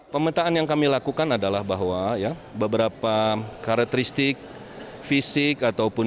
pemetaan yang kami lakukan adalah bahwa beberapa karakteristik fisik ataupun